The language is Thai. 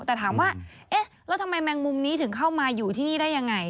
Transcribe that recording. แต่ถามว่าเอ๊ะแล้วทำไมแมงมุมนี้ถึงเข้ามาอยู่ที่นี่ได้ยังไง